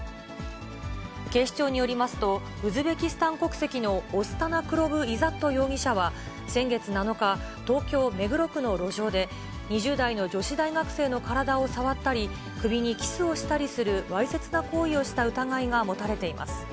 警視庁によりますと、ウズベキスタン国籍のオスタナクロブ・イザット容疑者は、先月７日、東京・目黒区の路上で、２０代の女子大学生の体を触ったり、首にキスをしたりする、わいせつな行為をした疑いが持たれています。